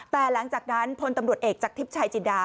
แต่หลังจากนั้นพลตำรวจเอกจากทิพย์ชายจินดา